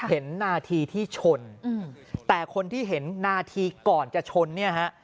เห็นนาทีที่ชนแต่คนที่เห็นนาทีก่อนจะชนเนี่ยฮะ